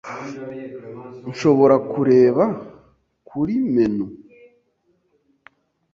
Nshobora kureba kuri menu?